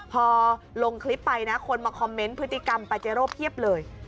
พอลงคลิปไปนะคนมาคอมเมนต์พฤติกรรมปาเจโร่เพียบเลย